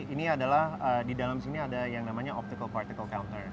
ini adalah di dalam sini ada yang namanya optical partical culture